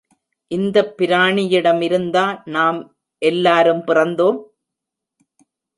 இந்தப் பிராணியிடமிருந்தா நாம் எல்லாரும் பிறந்தோம்?